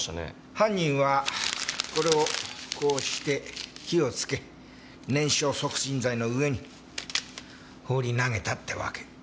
犯人はこれをこうして火をつけ燃焼促進剤の上に放り投げたってわけ。